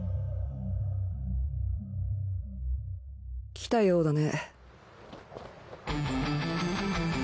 来たようだね。